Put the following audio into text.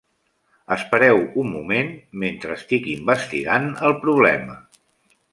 Espereu un moment mentre estic investigant el problema.